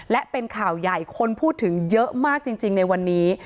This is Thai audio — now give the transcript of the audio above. และเป็นข่าวใหญ่คนพูดถึงเยอะมากจริงในวันนี้